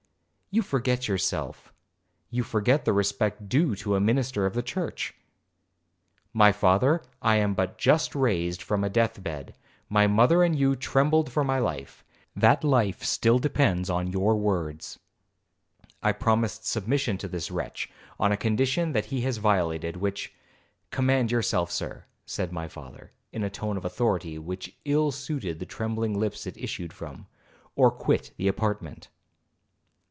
'You forget yourself,—you forget the respect due to a minister of the church.' 'My father, I am but just raised from a death bed, my mother and you trembled for my life,—that life still depends on your words. I promised submission to this wretch, on a condition which he has violated, which—' 'Command yourself, Sir,' said my father, in a tone of authority which ill suited the trembling lips it issued from, 'or quit the apartment.'